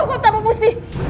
cukup tak mempunyai pusti